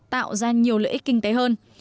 tạo ra nhiều lợi ích kinh tế hơn